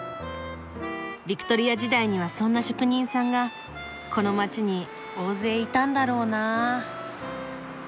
ビクトリア時代にはそんな職人さんがこの街に大勢いたんだろうな。